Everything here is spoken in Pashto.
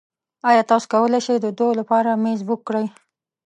ایا تاسو کولی شئ د دوو لپاره میز بک کړئ؟